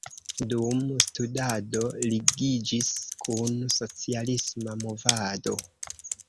Dum studado ligiĝis kun socialisma movado.